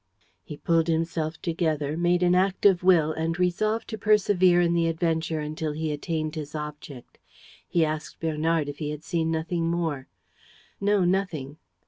He pulled himself together, made an act of will and resolved to persevere in the adventure until he attained his object. He asked Bernard if he had seen nothing more. "No, nothing."